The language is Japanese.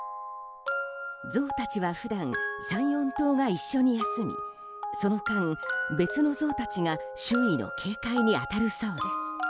ゾウたちは普段３４頭が一緒に休みその間、別のゾウ達が周囲の警戒に当たるそうです。